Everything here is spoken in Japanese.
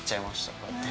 こうやって。